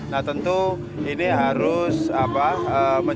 nah tentu ini harus apa